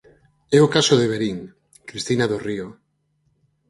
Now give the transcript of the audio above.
É o caso de Verín, Cristina Dorrío.